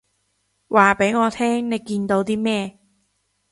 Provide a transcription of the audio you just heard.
話畀我聽你見到啲咩